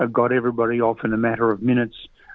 yang membuat semua orang dalam beberapa menit